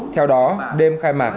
theo đó đêm khai mạc